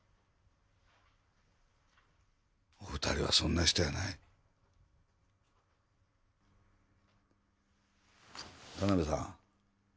お二人はそんな人やない田辺さん